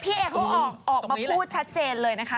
เอเขาออกมาพูดชัดเจนเลยนะคะ